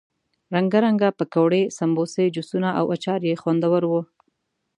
رنګه رنګه پکوړې، سموسې، جوسونه او اچار یې خوندور وو.